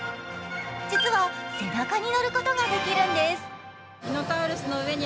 実は背中に乗ることができるんです。